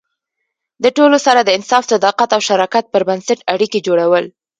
د ټولو سره د انصاف، صداقت او شراکت پر بنسټ اړیکې جوړول.